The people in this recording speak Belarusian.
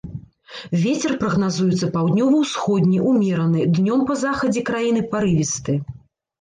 Вецер прагназуецца паўднёва-ўсходні ўмераны, днём па захадзе краіны парывісты.